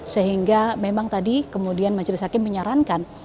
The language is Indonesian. sehingga memang tadi kemudian majelis hakim menyarankan